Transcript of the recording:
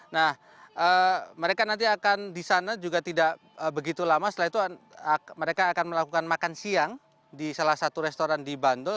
nah mereka nanti akan di sana juga tidak begitu lama setelah itu mereka akan melakukan makan siang di salah satu restoran di bantul